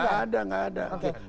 enggak ada enggak ada